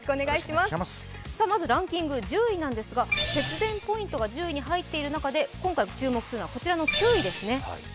まずランキング１０位なんですが、節電ポイントが１０位に入っている中で今回、注目するのは９位ですね。